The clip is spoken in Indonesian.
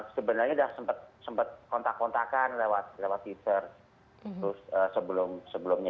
sebenarnya udah sempat kontak kontakan lewat teaser sebelumnya